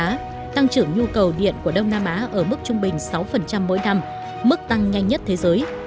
đông nam á tăng trưởng nhu cầu điện của đông nam á ở mức trung bình sáu mỗi năm mức tăng nhanh nhất thế giới